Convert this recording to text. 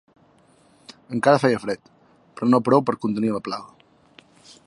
Encara feia fred, però no prou per contenir la plaga